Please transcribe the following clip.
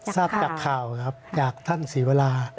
ทราบจากข่าวครับจากท่านศรีวรา